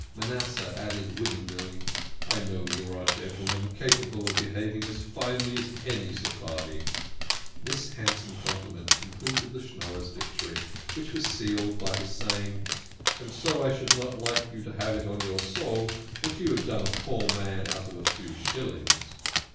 Manasseh added winningly :" I know you are a gentle man, capable of behaving as finely as any Sephardi." This handsome compliment completed the Schnorrer's victory, which was sealed by his saying, " And so I should not like you to have it on your soul that you had done a poor man out of a few shillings."